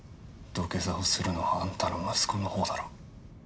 土下座をするのはあんたの息子のほうだろ。